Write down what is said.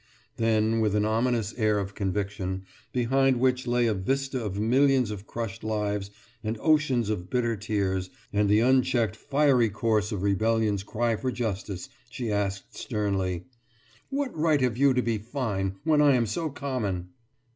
Then, with an ominous air of conviction, behind which lay a vista of millions of crushed lives and oceans of bitter tears and the unchecked fiery course of rebellion's cry for justice, she asked sternly: »What right have you to be fine when I am so common?